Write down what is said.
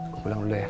gue pulang dulu ya